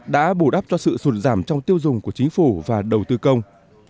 đã bổ đáp cho sự sụt giảm trong tiêu dùng của chính phủ và đầu tư công